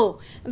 làng gốm cổ